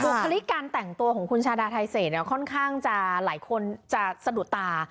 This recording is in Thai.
คลิกการแต่งตัวของคุณชาดาไทเศษเนี่ยค่อนข้างจะหลายคนจะสะดุดตา